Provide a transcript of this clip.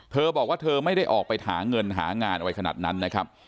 เธอบอกว่าเธอไม่ได้ออกไปหาเงินหางานอะไรขนาดนั้นนะครับ